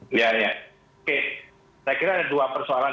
ada rekrutan yang kita belum tahu kan seperti apa bentuknya